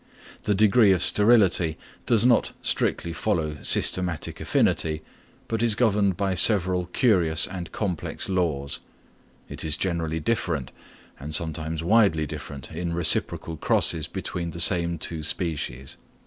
The degree of sterility does not strictly follow systematic affinity, but is governed by several curious and complex laws. It is generally different, and sometimes widely different in reciprocal crosses between the same two species.